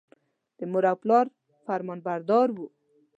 د مور او پلار فرمانبردار و.